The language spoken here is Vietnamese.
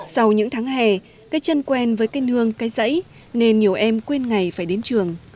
sau những tháng hè cái chân quen với cây nương cây rẫy nên nhiều em quên ngày phải đến trường